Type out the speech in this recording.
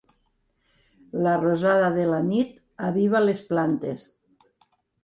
La rosada de la nit aviva les plantes.